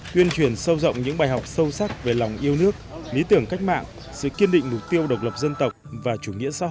tuyên truyền sâu rộng những bài học sâu sắc về lòng yêu nước lý tưởng cách mạng sự kiên định mục tiêu độc lập dân tộc và chủ nghĩa xã hội từ thực tiễn hoạt động cách mạng của nhà báo hoàng tùng